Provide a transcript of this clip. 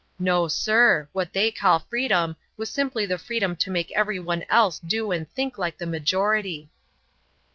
No, sir; what they call freedom was simply the freedom to make everyone else do and think like the majority."